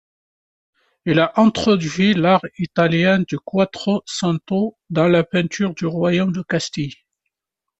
Il a introduit l'art italien du Quattrocento dans la peinture du royaume de Castille.